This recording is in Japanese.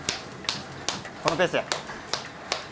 このペースや。